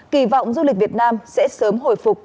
kỳ vọng du lịch việt nam sẽ sớm hồi phục